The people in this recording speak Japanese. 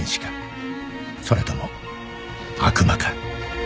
それとも悪魔か？